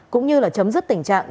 cũng như là chấm dứt tình trạng